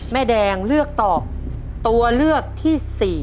แม่แดงเลือกตอบตัวเลือกที่๔